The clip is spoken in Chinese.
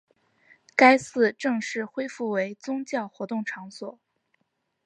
该寺正式恢复为宗教活动场所。